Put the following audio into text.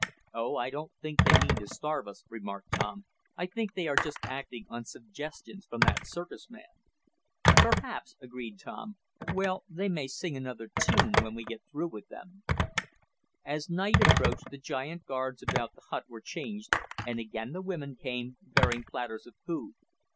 "Oh, I don't think they mean to starve us," remarked Ned. "I think they are just acting on suggestions from that circus man." "Perhaps," agreed Tom. "Well, they may sing another tune when we get through with them." As night approached the giant guards about the hut were changed, and again the women came, bearing platters of food.